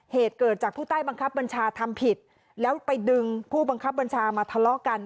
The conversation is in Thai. เหตุเกิดจากผู้ใต้บังคับบัญชาทำผิดแล้วไปดึงผู้บังคับบัญชามาทะเลาะกัน